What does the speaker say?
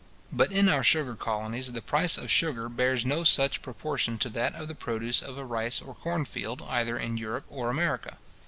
But in our sugar colonies, the price of sugar bears no such proportion to that of the produce of a rice or corn field either in Europe or America.